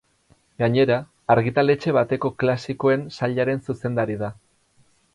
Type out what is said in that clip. Gainera, argitaletxe bateko klasikoen sailaren zuzendari da.